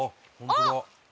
あっ！